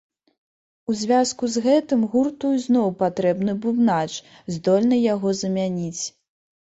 У звязку з гэтым гурту ізноў патрэбны бубнач, здольны яго замяніць.